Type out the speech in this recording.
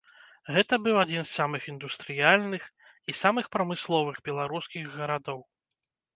Гэта быў адзін з самых індустрыяльных і самых прамысловых беларускіх гарадоў.